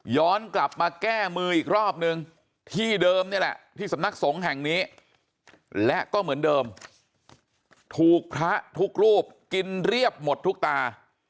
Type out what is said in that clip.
กลับมาแก้มืออีกรอบนึงที่เดิมนี่แหละที่สำนักสงฆ์แห่งนี้และก็เหมือนเดิมถูกพระทุกรูปกินเรียบหมดทุกตา